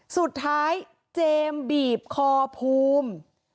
สุดท้ายเจมส์บีบคอภูมิ